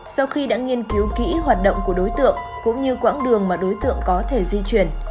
sau khi đã nghiên cứu kỹ hoạt động của đối tượng cũng như quãng đường mà đối tượng có thể di chuyển